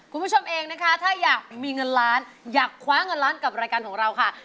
คุณผู้ชมเองนะคะถ้าอยากมีเงินล้านอยากคว้าเงินล้านกับรายการของเราค่ะ